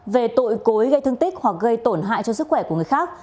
về tội cối gây thương tích hoặc gây tổn hại cho sức khỏe của người khác